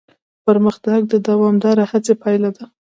پرمختګ د دوامداره هڅې پایله ده.